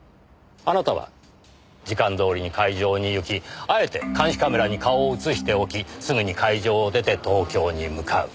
あなたは時間どおりに会場に行きあえて監視カメラに顔を映しておきすぐに会場を出て東京に向かう。